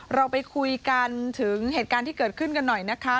เราไปคุยกันถึงเหตุการณ์ที่เกิดขึ้นกันหน่อยนะคะ